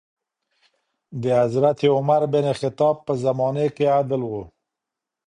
د حضرت عمر بن خطاب په زمانې کي عدل و.